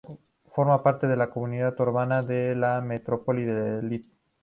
Forma parte de la Comunidad Urbana de la Metrópoli de Lille.